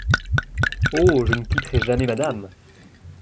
Oh ! je ne quitterai jamais Madame !